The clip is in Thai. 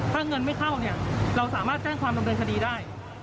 ถ้าเงินไม่เข้าเนี่ยเราสามารถแจ้งความดำเนินคดีได้